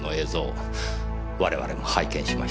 我々も拝見しました。